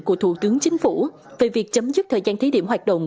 của thủ tướng chính phủ về việc chấm dứt thời gian thí điểm hoạt động